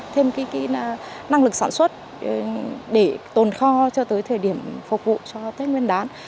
thêm cái năng lực sản xuất để tồn kho cho tới thời điểm phục vụ cho tết nguyên đán